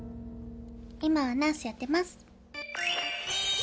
今はナースやってます。